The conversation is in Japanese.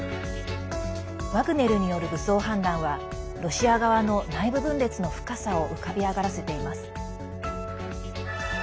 ワグネルによる武装反乱はロシア側の内部分裂の深さを浮かび上がらせています。